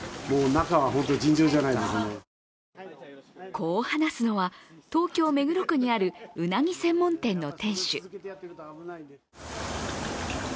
こう話すのは、東京・目黒区にあるうなぎ専門店の店主。